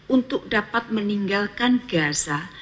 untuk dapat meninggalkan gaza